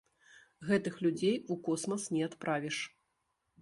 Гэтых людзей у космас не адправіш.